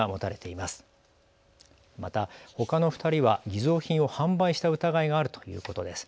また、ほかの２人は偽造品を販売した疑いがあるということです。